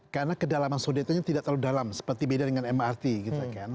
karena kedalaman sodetannya tidak terlalu dalam seperti beda dengan mrt gitu kan